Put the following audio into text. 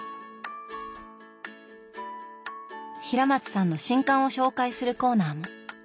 平松さんの新刊を紹介するコーナーも。